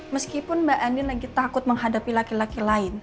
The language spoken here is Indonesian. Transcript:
meskipun mbak eni lagi takut menghadapi laki laki lain